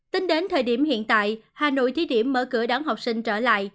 tính đến thời điểm hiện tại hà nội thí điểm mở cửa đón học sinh trở lại